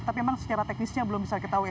tapi memang secara teknisnya belum bisa diketahui